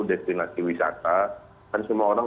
destinasi wisata kan semua orang